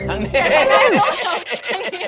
โอ้โหเปลี่ยน